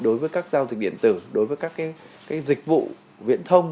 đối với các giao dịch điện tử đối với các dịch vụ viễn thông